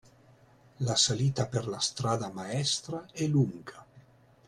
La salita per la strada maestra è lunga